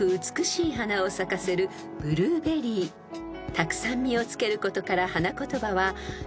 ［たくさん実をつけることから］